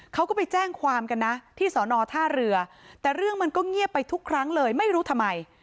เขาก็ไปแจ้งความกันนะที่สอนอท่าเรือแต่เรื่องมันก็เงียบไปทุกครั้งเลยไม่รู้ทำไม